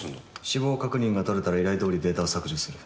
死亡確認が取れたら依頼どおりデータを削除する。